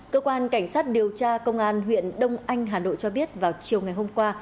cơ quan cảnh sát điều tra công an huyện đông anh hà nội cho biết vào chiều ngày hôm qua